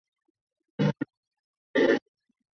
主要研究领域是中国哲学史和文学史。